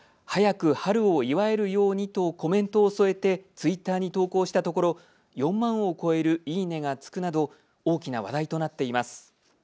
早く春を祝えるようにとコメントを添えてツイッターに投稿したところ４万を超えるいいねがつくなど大きな話題となっています。